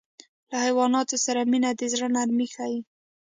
له حیواناتو سره مینه د زړه نرمي ښيي.